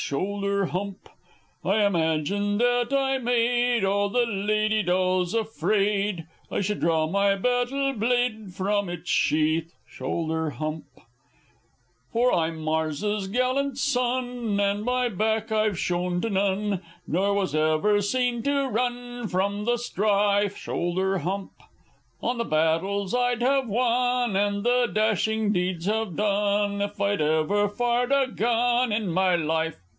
Shoulder Hump I imagine that I made All the Lady Dolls afraid, I should draw my battle blade From its sheath, Shoulder Hump For I'm Mars's gallant son, And my back I've shown to none, Nor was ever seen to run From the strife! Shoulder Hump! Oh, the battles I'd have won, And the dashing deeds have done, If I'd ever fired a gun In my life!